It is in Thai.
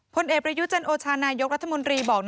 ผลเอกระยุเจิญโอชานายกรัฐมนตรี